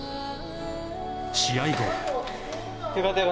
試合後。